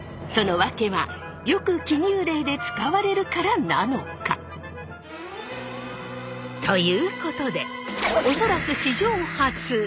その訳はよく記入例で使われるからなのか？ということで恐らく史上初。